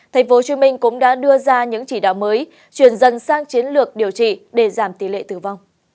tp hcm cũng đã đưa ra những chỉ đạo mới chuyển dần sang chiến lược điều trị để giảm tỷ lệ tử vong